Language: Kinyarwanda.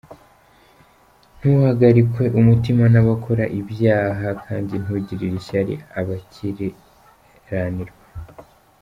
Ntuhagarikwe umutima n’abakora ibyaha, Kandi ntugirire ishyari abakiranirwa.